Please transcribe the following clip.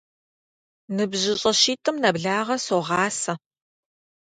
НыбжьыщӀэ щитӏым нэблагъэ согъасэ.